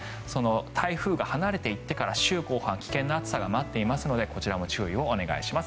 台風が離れていってから週後半危険な暑さが待っていますのでこちらも注意をお願いします。